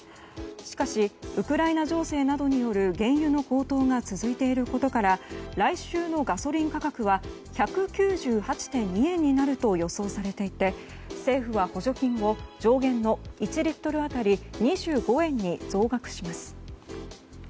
しかしウクライナ情勢などによる原油の高騰が続いていることから来週のガソリン価格は１９８．２円になると予想されていて政府は補助金を上限の１リットル当たり２５円に増額します。